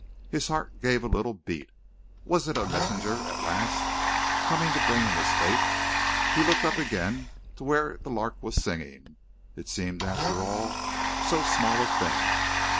His heart gave a little beat. Was it a messenger at last, coming to bring him his fate? He looked up again to where the lark was singing. It seemed, after all, so small a thing!